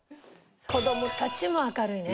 子供たちも明るいね。